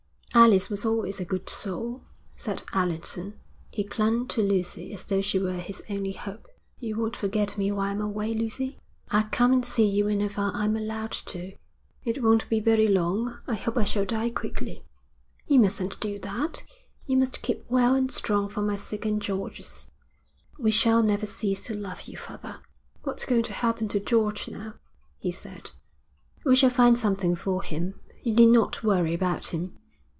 'Alice was always a good soul,' said Allerton. He clung to Lucy as though she were his only hope. 'You won't forget me while I'm away, Lucy?' 'I'll come and see you whenever I'm allowed to.' 'It won't be very long. I hope I shall die quickly.' 'You mustn't do that. You must keep well and strong for my sake and George's. We shall never cease to love you, father.' 'What's going to happen to George now?' he asked. 'We shall find something for him. You need not worry about him.'